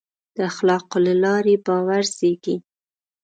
د اخلاقو له لارې باور زېږي.